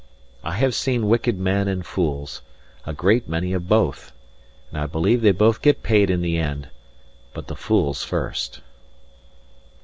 I have seen wicked men and fools, a great many of both; and I believe they both get paid in the end; but the fools first.